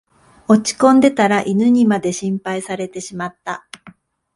落ちこんでたら犬にまで心配されてしまった